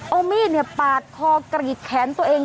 เอามีดปาดคอกรีดแขนตัวเอง